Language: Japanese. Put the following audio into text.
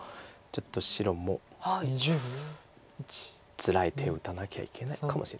つらい手を打たなきゃいけないかもしれないです。